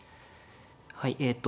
はいえと